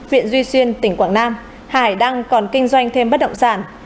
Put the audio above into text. huyện duy xuyên tỉnh quảng nam hải đăng còn kinh doanh thêm bất động sản